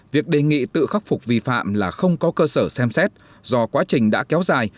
việc đề nghị tự khắc phục vi phạm là không có cơ sở xem xét do quá trình đã kéo dài